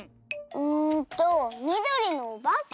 うんとみどりのおばけ？